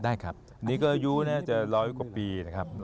ได้ครับนี่ก็อายุน่าจะร้อยกว่าปีนะครับ